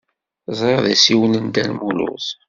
Ẓriɣ d asiwel n Dda Lmulud.